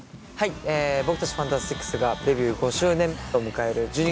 僕たちＦＡＮＴＡＳＴＩＣＳがデビュー５周年を迎える。